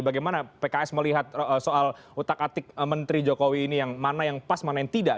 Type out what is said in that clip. bagaimana pks melihat soal utak atik menteri jokowi ini yang mana yang pas mana yang tidak